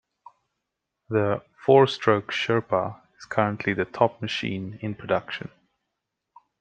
The four-stroke Sherpa is currently the top machine in production.